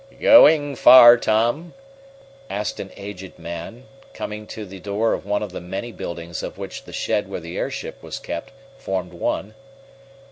"Going far, Tom?" asked an aged man, coming to the door of one of the many buildings of which the shed where the airship was kept formed one.